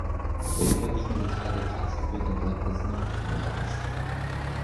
Der überwiegende Teil der Trasse führt entlang des Nordkanals.